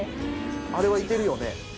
あれはいてるよね？